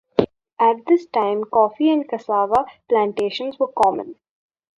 At this time coffee and cassava plantations were common.